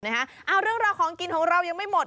เอาเรื่องราวของกินของเรายังไม่หมด